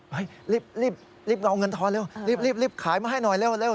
รีบเงาเงินทอนเร็วรีบขายมาให้หน่อยเร็ว